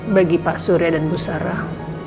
bagi pak surya dan bu sarah